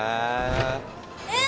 えっ？